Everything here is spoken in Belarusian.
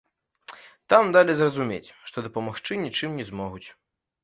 Там далі зразумець, што дапамагчы нічым не змогуць.